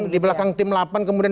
di belakang tim delapan kemudian